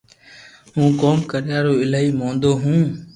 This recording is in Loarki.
ھون ڪوم ڪريا رو ايلائي مودو ھون